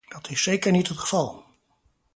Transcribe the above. Dat is zeker niet het geval!